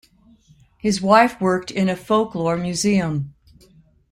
His wife worked in a folklore museum.